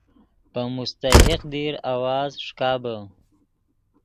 پے مستحق دیر آواز ݰیکابے